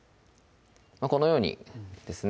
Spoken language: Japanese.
このようにですね